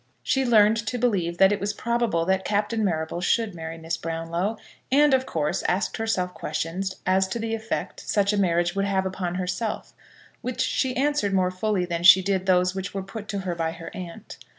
She learned to believe that it was probable that Captain Marrable should marry Miss Brownlow, and, of course, asked herself questions as to the effect such a marriage would have upon herself, which she answered more fully than she did those which were put to her by her aunt.